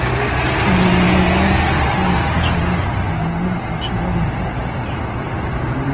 Unha mala nova á que hai que sumar novamente a suba de infectados.